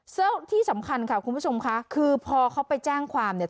ซึ่งที่สำคัญค่ะคุณผู้ชมค่ะคือพอเขาไปแจ้งความเนี่ย